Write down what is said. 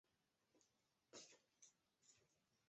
这是航天飞机第一次完全操作飞行。